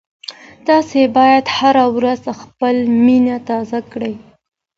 تاسي باید هره ورځ خپله مننه تازه کړئ.